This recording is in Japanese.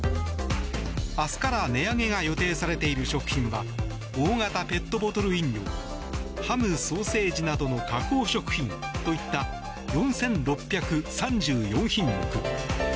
明日から値上げが予定されている食品は、大型ペットボトル飲料ハム・ソーセージなどの加工食品といった４６３４品目。